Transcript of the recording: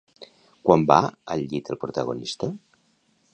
Quan va al llit el protagonista?